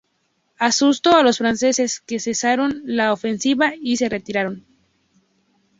Asustó a los franceses, que cesaron la ofensiva y se retiraron.